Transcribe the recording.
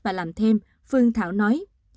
và làm thêm phương thảo nói